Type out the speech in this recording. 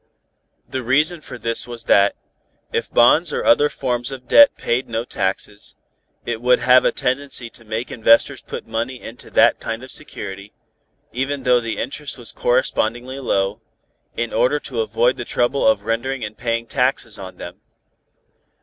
His reason for this was that, if bonds or other forms of debt paid no taxes, it would have a tendency to make investors put money into that kind of security, even though the interest was correspondingly low, in order to avoid the trouble of rendering and paying taxes on them.